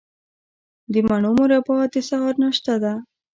د مڼو مربا د سهار ناشته ده.